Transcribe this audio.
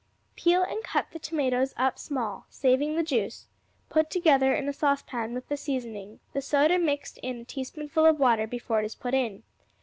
Peel and cut the tomatoes up small, saving the juice; put together in a saucepan with the seasoning, the soda mixed in a teaspoonful of water before it is put in.